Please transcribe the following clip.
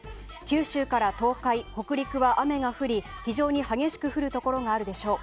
九州から東海・北陸は雨が降り非常に激しく降るところがあるでしょう。